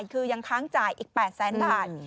คือยังค้างจ่ายอีก๘แสนบาท